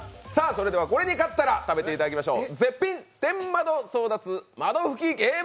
これに勝ったら食べていきましょう。